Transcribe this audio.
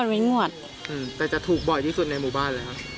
อืมแต่จะถูกบ่อยที่สุดในหมู่บ้านนะ